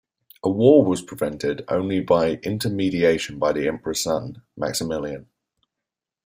A war was prevented only by intermediation by the Emperor's son, Maximilian.